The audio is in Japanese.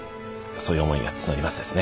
そういう思いが募りますですね。